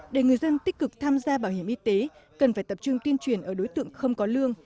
để người dân tích cực tham gia bảo hiểm y tế cần phải tập trung tuyên truyền ở đối tượng không có lương